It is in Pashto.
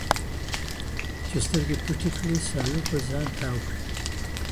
چې سترگې پټې کړې، سالو په ځان تاو کړې